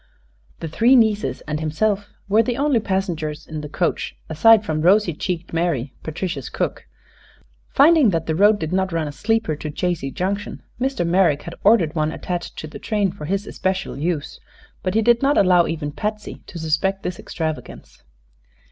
The three nieces and himself were the only passengers in the coach, aside from rosy cheeked Mary, Patricia's cook. Finding that the road did not run a sleeper to Chazy Junction, Mr. Merrick had ordered one attached to the train for his especial use; but he did not allow even Patsy to suspect this extravagance.